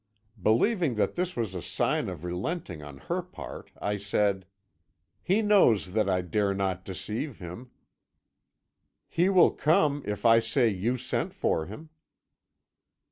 "Believing that this was a sign of relenting on her part, I said: "'He knows that I dare not deceive him. He will come if I say you sent for him.'